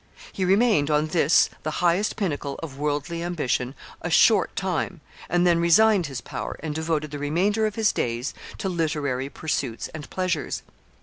He remained on this, the highest pinnacle of worldly ambition, a short time, and then resigned his power, and devoted the remainder of his days to literary pursuits and pleasures.